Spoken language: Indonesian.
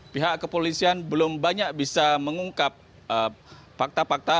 pihak kepolisian belum banyak bisa mengungkap fakta fakta